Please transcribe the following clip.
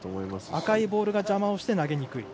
赤いボールが邪魔をして投げにくいと。